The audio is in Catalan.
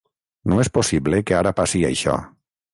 No és possible que ara passi això.